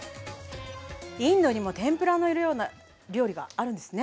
インドにも天ぷらのような料理があるんですね。